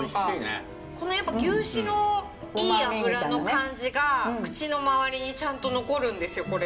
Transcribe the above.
やっぱ牛脂のいい脂の感じが口の周りにちゃんと残るんですよ